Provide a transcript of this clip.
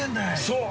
◆そう！